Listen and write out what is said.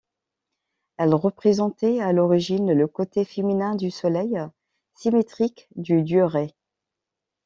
Elle représentait à l'origine le côté féminin du soleil, symétrique du dieu Rê.